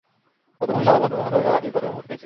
ভদ্রমহিলা ও ভদ্রমহোদয়েরা, টেকঅফের অনুমতি পেয়েছি।